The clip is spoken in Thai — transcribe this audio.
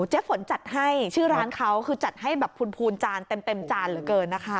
ฝนจัดให้ชื่อร้านเขาคือจัดให้แบบพูนจานเต็มจานเหลือเกินนะคะ